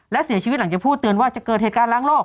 และเสียชีวิตหลังจากพูดเตือนว่าจะเกิดเหตุการณ์ล้างโลก